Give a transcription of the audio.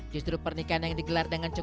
justru pernikahan yang digelar dengan cepat